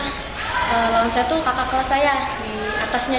kalau saya tuh kakak kelas saya di atasnya